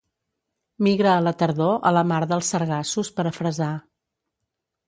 Migra a la tardor a la mar dels Sargassos per a fresar.